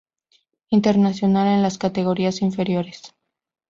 Internacional en las categorías inferiores.